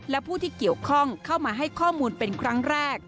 และผู้ที่เกี่ยวข้องเข้ามาให้ข้อมูลเป็นครั้งแรก